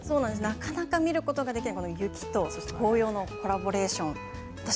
なかなか見ることができない雪と紅葉のコラボレーション。